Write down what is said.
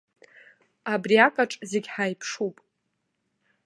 Абриакаҿ зегь ҳаиԥшуп.